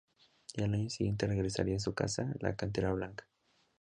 Y al año siguiente regresaría a su casa, la cantera blanca.